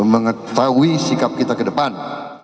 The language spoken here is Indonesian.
mengetahui sikap kita ke depan